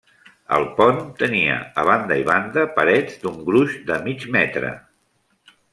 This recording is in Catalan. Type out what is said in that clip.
El pont tenia a banda i banda parets d'un gruix de mig metre.